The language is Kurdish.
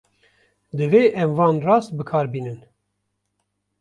Divê em wan rast bi kar bînin.